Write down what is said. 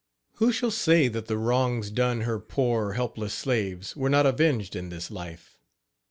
Who shall say that the wrongs done her poor, helpless slaves were not avenged in this life?